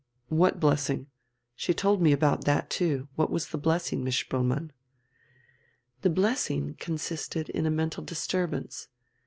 "What blessing? She told me about that too. What was the blessing, Miss Spoelmann?" "The blessing consisted in a mental disturbance.